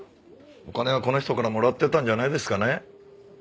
お金はこの人からもらってたんじゃないですかね。